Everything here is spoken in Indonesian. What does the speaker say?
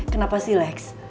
kenapa sih lex